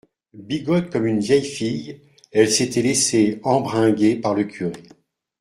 Bigote comme une vieille fille, elle s’était laissé embringuer par le curé